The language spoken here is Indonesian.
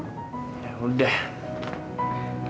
besok kamu harus praktek kan